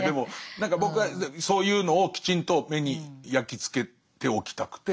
何か僕はそういうのをきちんと目に焼き付けておきたくて。